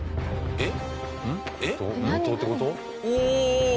えっ？